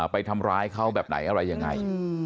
ไปทำร้ายเขาแบบไหนอะไรยังไง